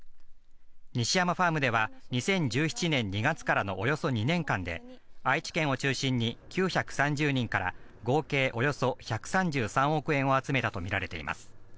西山ファームでは２０１７年２月からのおよそ２年間で愛知県を中心に、９３０人から合計およそ１３３億円を集めたとみられています。